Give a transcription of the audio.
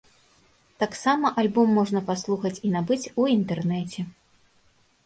Таксама альбом можна паслухаць і набыць у інтэрнэце.